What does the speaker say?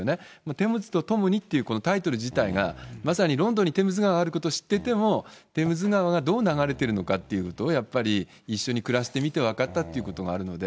テムズとともにって、このタイトル自体が、まさにロンドンにテムズ川があるってことを知ってても、テムズ川がどう流れているのかっていうと、やっぱり一緒に暮らしてみて分かったってことがあるので。